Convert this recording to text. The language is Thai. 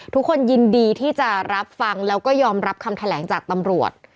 ทุกคนยินดีที่จะรับฟังแล้วก็ยอมรับคำแถลงจากตำรวจ